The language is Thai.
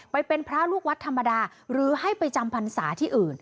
ไปเป็นพระลูกวัดธรรมดาหรือให้ไปจำพรรษาที่อื่น